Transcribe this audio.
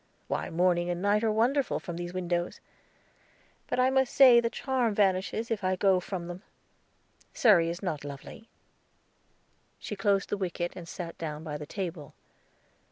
Why, morning and night are wonderful from these windows. But I must say the charm vanishes if I go from them. Surrey is not lovely." She closed the wicket, and sat down by the table.